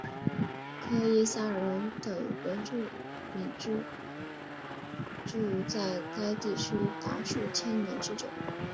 科伊桑人等原住民居住在该地区达数千年之久。